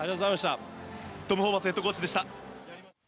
トム・ホーバスヘッドコーチでした。